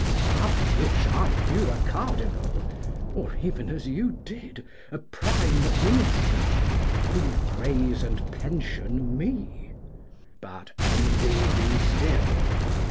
How I wish I knew a Cardinal, or, even as you did, a Prime Minister, who would praise and pension me; but Envy be still!